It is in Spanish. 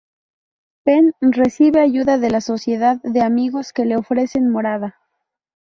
Penn recibe ayuda de la Sociedad de Amigos, que le ofrecen morada.